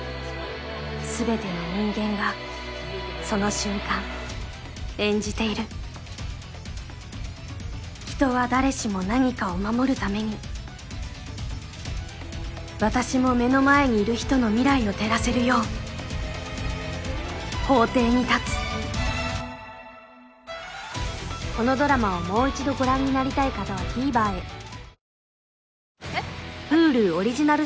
全ての人間がその瞬間演じている人は誰しも何かを守るために私も目の前にいる人の未来を照らせるよう法廷に立つこのドラマをもう一度ご覧になりたい方はＴＶｅｒへえ？